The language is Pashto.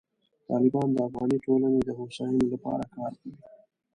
طالبان د افغاني ټولنې د هوساینې لپاره کار کوي.